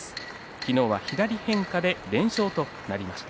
昨日は左変化で連勝となりました。